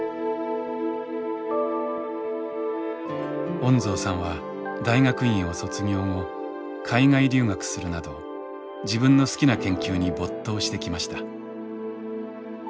恩蔵さんは大学院を卒業後海外留学するなど自分の好きな研究に没頭してきました。